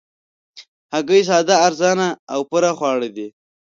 هګۍ ساده، ارزانه او پوره خواړه دي